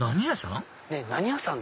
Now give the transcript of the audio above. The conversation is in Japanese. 何屋さん？